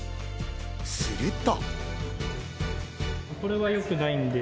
すると。